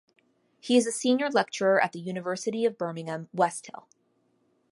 He is a Senior Lecturer at the University of Birmingham, Westhill.